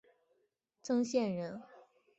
曾铣人。